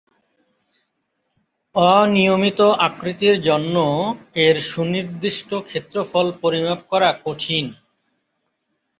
অনিয়মিত আকৃতির জন্য এর সুনির্দিষ্ট ক্ষেত্রফল পরিমাপ করা কঠিন।